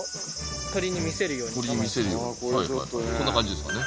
鳥に見せるようにはいはいこんな感じですかね。